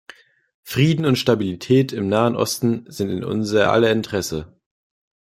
Frieden und Stabilität im Nahen Osten sind in unser aller Interesse.